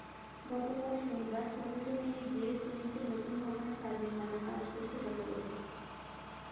গতকাল শনিবার সরেজমিেন গিয়ে শ্রমিকদের নতুন ভবনের ছাদ নির্মাণের কাজ করতে দেখা গেছে।